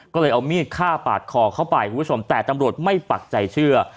ก็เลยเอามีดฆ่าปาดคอเข้าไปคุณผู้ชมแต่ตำรวจไม่ปักใจเชื่อ